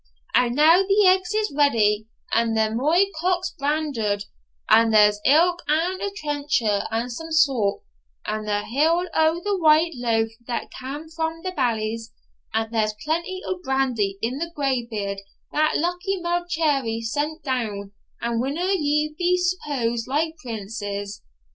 And now the eggs is ready, and the muir cock's brandered, and there's ilk ane a trencher and some saut, and the heel o' the white loaf that cam frae the Bailie's, and there's plenty o' brandy in the greybeard that Luckie Maclearie sent doun, and winna ye be suppered like princes?'